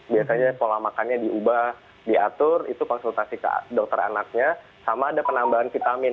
biasanya pola makannya diubah diatur itu konsultasi ke dokter anaknya sama ada penambahan vitamin